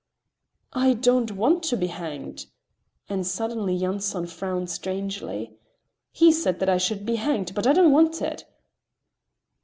"I don't want to be hanged," and suddenly Yanson frowned strangely. "He said that I should be hanged, but I don't want it."